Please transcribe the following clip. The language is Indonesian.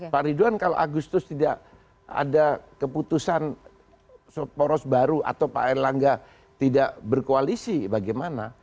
pak ridwan kalau agustus tidak ada keputusan poros baru atau pak erlangga tidak berkoalisi bagaimana